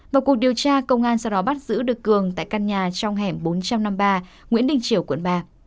vào cuộc điều tra công an sau đó bắt giữ được cường tại căn nhà trong hẻm bốn trăm năm mươi ba nguyễn đình triều quận ba